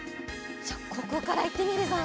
じゃここからいってみるぞ。